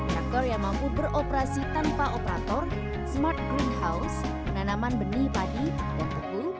kantor yang mampu beroperasi tanpa operator smart greenhouse penanaman benih padi dan tebu